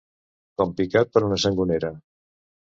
Com picat per una sangonera.